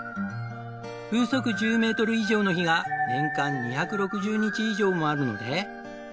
風速１０メートル以上の日が年間２６０日以上もあるので。